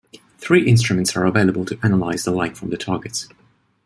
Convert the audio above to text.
Three instruments are available to analyze the light from the targets.